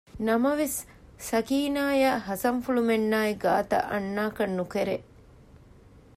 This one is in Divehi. ނަމަވެސް ސަކީނާއަށް ހަސަންފުޅުމެންނާއި ގާތަށް އަންނާކަށް ނުކެރޭ